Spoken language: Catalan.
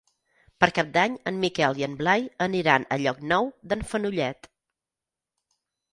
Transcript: Per Cap d'Any en Miquel i en Blai aniran a Llocnou d'en Fenollet.